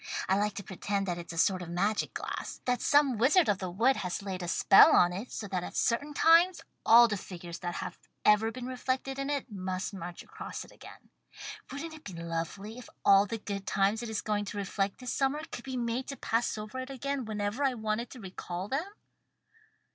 I like to pretend that it's a sort of magic glass that some wizard of the wood has laid a spell on it, so that at certain times all the figures that have ever been reflected in it must march across it again. Wouldn't it be lovely if all the good times it is going to reflect this summer could be made to pass over it again whenever I wanted to recall them?"